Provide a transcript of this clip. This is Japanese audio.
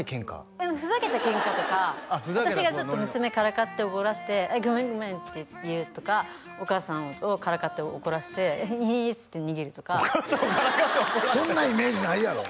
うんふざけたケンカとか私がちょっと娘からかって怒らして「あっごめんごめん」って言うとかお母さんをからかって怒らして「イー！」っつって逃げるとかお母さんをからかって怒らしてそんなイメージないやろ？